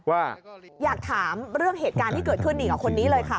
ว่าอยากถามเรื่องเหตุการณ์ที่เกิดขึ้นนี่กับคนนี้เลยค่ะ